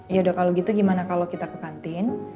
yaudah kalau gitu gimana kalau kita ke kantin